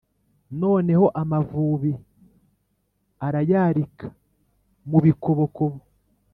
Noneho amavubi arayarika mu bikobokobo,